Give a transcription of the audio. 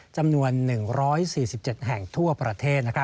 จำนวน๑๔๗แห่งทั่วประเทศ